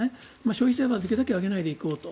消費税はできるだけ上げないで行こうと。